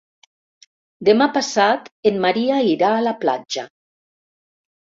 Demà passat en Maria irà a la platja.